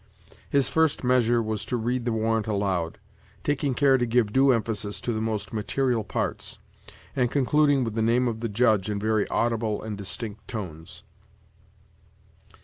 His first measure was to read the warrant aloud, taking care to give due emphasis to the most material parts, and concluding with the name of the Judge in very audible and distinct tones.